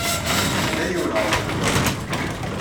Yella yiwen ɣef tewwurt.